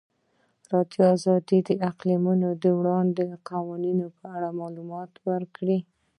ازادي راډیو د اقلیتونه د اړونده قوانینو په اړه معلومات ورکړي.